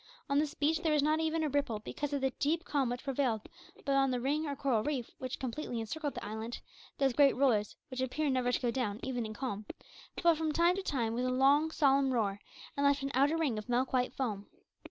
On this beach there was not even a ripple, because of the deep calm which prevailed but on the ring or coral reef, which completely encircled the island, those great "rollers" which appear never to go down even in calm fell from time to time with a long, solemn roar, and left an outer ring of milk white foam.